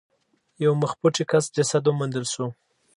یو مخ پټي کس جسد وموندل شو.